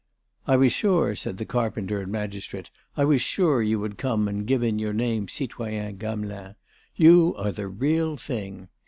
"I was sure," said the carpenter and magistrate, "I was sure you would come and give in your name, citoyen Gamelin. You are the real thing.